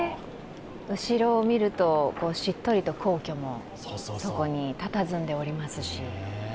後ろを見ると、しっとりと皇居もそこにたたずんでおりますし。